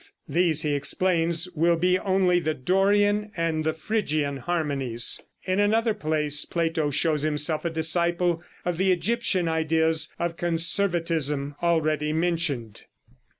These he explains will be only the Dorian and the Phrygian harmonies. In another place Plato shows himself a disciple of the Egyptian ideas of conservatism, already mentioned.